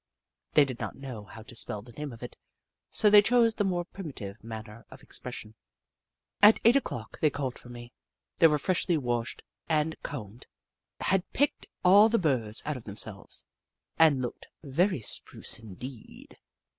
They did not know how to spell the name of it, so they chose the more primitive manner of expression. At eight o'clock they called for me. They were freshly washed and combed, had picked all the burrs out of themselves, and looked very spruce indeed.